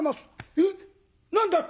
「えっ！？何だって？」。